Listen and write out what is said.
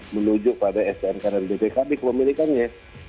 menuju pada snk dan dtk dikepemilikannya